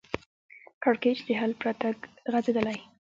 کړکېچ د حل پرته غځېدلی